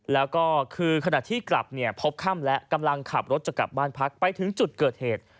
แล้วก็คือขณะที่กลับเนี่ยพบค่ำและกำลังขับรถจะกลับบ้านพักไปถึงจุดเกิดเหตุ